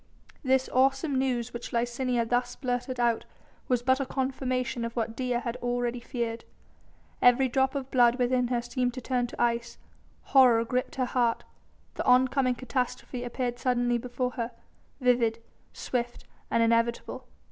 The awesome news which Licinia thus blurted out was but a confirmation of what Dea had already feared. Every drop of blood within her seemed to turn to ice, horror gripped her heart, the oncoming catastrophe appeared suddenly before her, vivid, swift and inevitable.